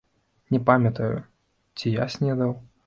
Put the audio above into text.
Не памятаю, ці я снедаў.